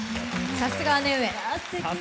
さすが姉上。